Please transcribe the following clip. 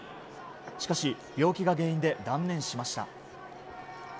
しかし、病気が原因で断念しました。